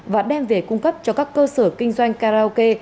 và đem về cung cấp cho các cơ sở kinh doanh karaoke